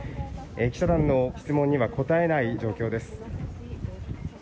記者団の質問には答えない状況です。